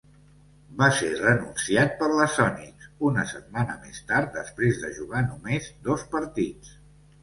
Va ser renunciat per la Sonics una setmana més tard després de jugar només dos partits.